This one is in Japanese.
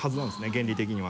原理的には。